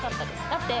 だって。